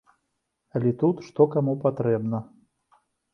Але тут што каму патрэбна.